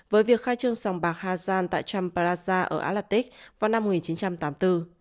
với việc khai trương sòng bạc hazan tại trump plaza ở atlantic vào năm một nghìn chín trăm tám mươi bốn